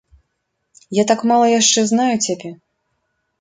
Я так мала яшчэ знаю цябе.